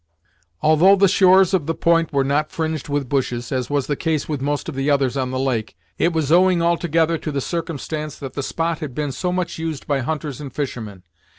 Although the shores of the point were not fringed with bushes, as was the case with most of the others on the lake, it was owing altogether to the circumstance that the spot had been so much used by hunters and fishermen.